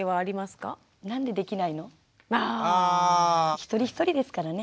一人一人ですからね。